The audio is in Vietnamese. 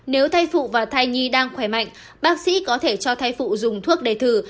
nếu thai phụ và thai nhi đang khỏe mạnh bác sĩ có thể cho thai phụ dùng thuốc để thử